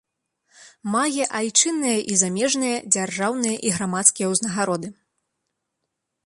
Мае айчынныя і замежныя дзяржаўныя і грамадскія ўзнагароды.